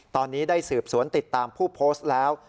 ตอนนี้ได้สืบสวนติดตามผู้โพสต์แล้ว